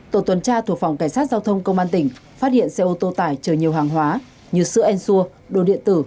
tổ tuần tra thuộc phòng cảnh sát giao thông công an tỉnh phát hiện xe ô tô tải chở nhiều hàng hóa như sữa ensur đồ điện tử